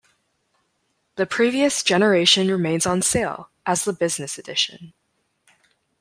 The previous generation remains on sale as the Business Edition.